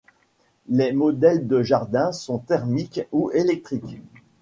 Les modèles de jardin sont thermiques ou électriques.